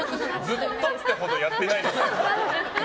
ずっとってほどやってないですけど。